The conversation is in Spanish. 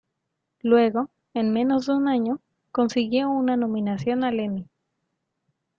Luego, en menos de un año, consiguió una nominación al Emmy.